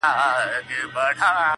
• په شپږ کلنی کي ولیکی -